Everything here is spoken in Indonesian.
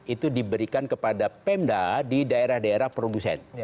itu diberikan kepada pemda di daerah daerah produsen